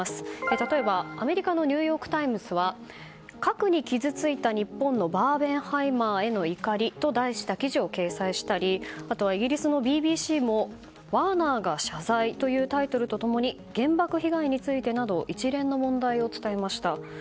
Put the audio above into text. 例えば、アメリカのニューヨーク・タイムズは「核に傷ついた日本のバーベンハイマーへの怒り」と題した記事を掲載したりイギリスのＢＢＣも「ワーナーが謝罪」というタイトルと共に原爆被害についてなど一連の問題を伝えました。